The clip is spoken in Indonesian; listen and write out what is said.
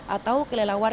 atau kelelawar kelelawar